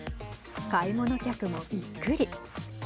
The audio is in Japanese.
買い物客もびっくり。